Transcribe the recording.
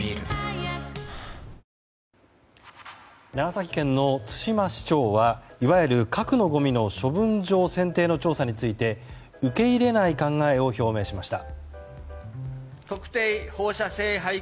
長崎県の対馬市長はいわゆる核のごみの処分場選定の調査について受け入れない考えを表明しました。